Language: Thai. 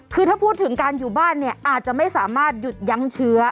คือถ้าพูดถึงการอยู่บ้านเนี่ยอาจจะไม่สามารถหยุดยั้งเชื้อ